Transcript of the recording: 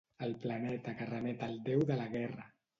El planeta que remet al déu de la guerra.